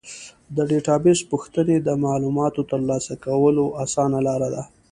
د ډیټابیس پوښتنې د معلوماتو ترلاسه کولو اسانه لاره ده.